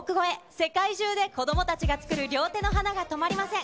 世界中で子どもたちが作る両手の花が止まりません。